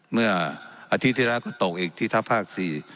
เมื่ออาทิตย์ที่แล้วก็ตกอีกที่ทัพภาค๔